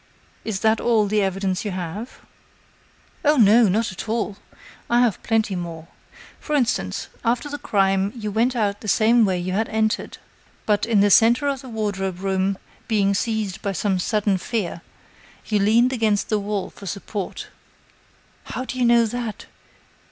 "Is that all the evidence you have?" "Oh! no, not at all. I have plenty more. For instance, after the crime, you went out the same way you had entered. But, in the centre of the wardrobe room, being seized by some sudden fear, you leaned against the wall for support." "How do you know that?